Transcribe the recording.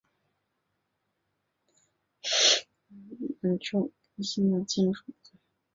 培根勒韦是一个位于美国阿拉巴马州兰道夫县的非建制地区。